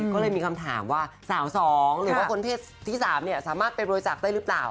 ก็เลยมีคำถามว่าสาว๒หรือว่าคนเพศที่๓สามารถไปบริจาคได้หรือเปล่า